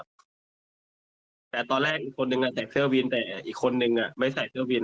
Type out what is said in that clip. แต่ตอนแรกอีกคนนึงใส่เสื้อวินแต่อีกคนนึงไม่ใส่เสื้อวิน